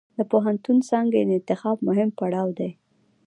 د پوهنتون څانګې د انتخاب مهم پړاو دی.